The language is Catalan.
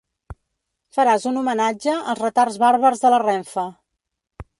Faràs un homenatge als retards bàrbars de la Renfe.